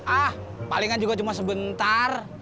ah palingan juga cuma sebentar